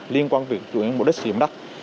liên quan việc chuyển mục đích sử dụng đất